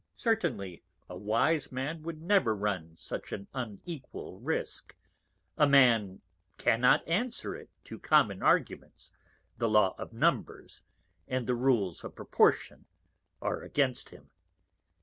Certainly a wise Man would never run such an unequal Risque: a Man cannot answer it to Common Arguments, the Law of Numbers, and the Rules of Proportion are against him.